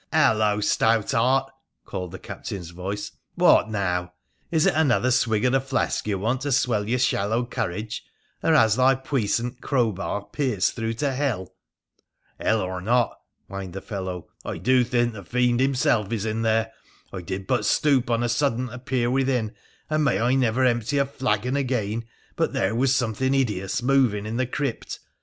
' Hullo ! stoutheart,' called the captain's voice, ' what now ? Is it another swig of the flask you want to swell your shallow courage, or has thy puissant crowbar pierced through to hell ?'' Hell or not,' whined the fellow, ' I do think the fiend himself is in there. I did but stoop on a sudden to peer within, and may I never empty a flagon again but there was something hideous moving in the crypt